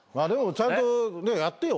ちゃんとやってよ